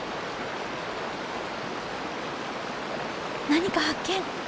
何か発見！